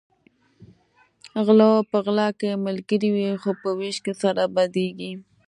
غلۀ په غلا کې ملګري وي خو په وېش کې سره بدیږي